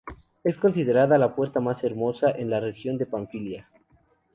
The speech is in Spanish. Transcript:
Es considerada la puerta más hermosa en la región de Panfilia.